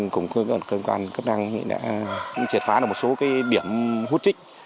cùng cơ quan cấp năng đã triệt phá được một số điểm hút trích